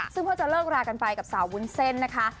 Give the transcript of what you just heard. ซึ่งเพิ่งจะเลิกรากันไปกับสาววุ้นเส้นนะคะ